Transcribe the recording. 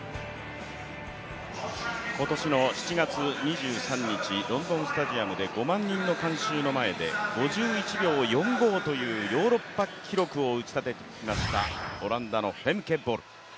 今年の７月２３日、ロンドンスタジアムで５万人の観衆の前で５１秒４５というヨーロッパ記録を打ち出しましたオランダのフェムケ・ボル。